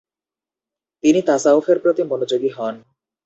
তিনি তাসাউফের প্রতি মনোযোগী হন।